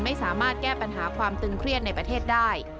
ไม่สามารถแก้ปัญหาความตึงเครียดในประเทศได้